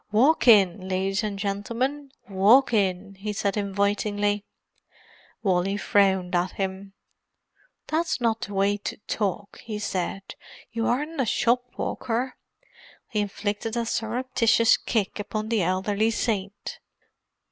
"Walk in, ladies and gentleman, walk in!" he said invitingly. Wally frowned at him. "That's not the way to talk," he said. "You aren't a shop walker!" He inflicted a surreptitious kick upon the elderly saint.